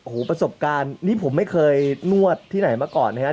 โอ้โหประสบการณ์นี่ผมไม่เคยนวดที่ไหนมาก่อนนะครับ